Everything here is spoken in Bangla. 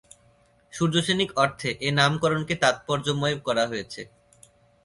সূর্যসৈনিক অর্থে এ নামকরণকে তাৎপর্যময় করা হয়েছে।